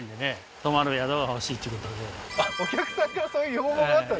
お客さんからそういう要望があったんですね